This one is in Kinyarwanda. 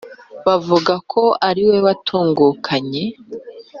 bavuga ko ariwe watungukanye